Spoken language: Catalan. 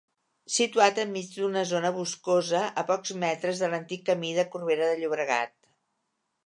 Situat enmig d'una zona boscosa, a pocs metres de l'antic camí de Corbera de Llobregat.